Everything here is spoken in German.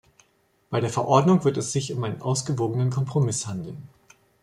Bei der Verordnung wird es sich um einen ausgewogenen Kompromiss handeln.